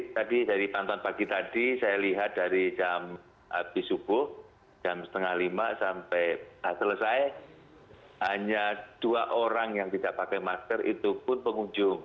jadi pantuan pagi tadi saya lihat dari jam abis subuh jam setengah lima sampai selesai hanya dua orang yang tidak pakai masker itu pun pengunjung